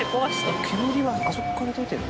煙はあそこから出てる？